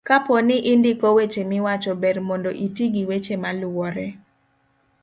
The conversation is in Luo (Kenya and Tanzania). kapo ni indiko weche miwacho ber mondo iti gi weche maluwore